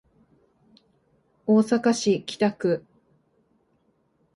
大阪市北区